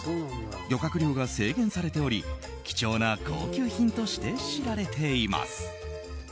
漁獲量が制限されており貴重な高級品として知られています。